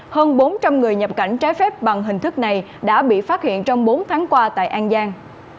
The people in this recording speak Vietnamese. hơn bốn trăm linh người nhập cảnh trái phép bằng hình thức này đã bị phát hiện trong bốn tháng qua tại an giang